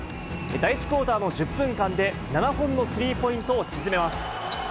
第１クオーターの１０分間で７本のスリーポイントを沈めます。